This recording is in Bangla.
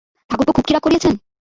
ঠাকুরপো খুব কি রাগ করিয়াছেন।